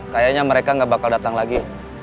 kayaknya mereka nggak bakal datang lagi